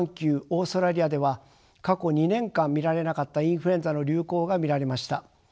オーストラリアでは過去２年間見られなかったインフルエンザの流行が見られました。